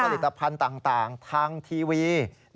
ผลิตภัณฑ์ต่างทางทีวี